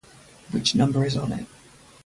Which number is on it?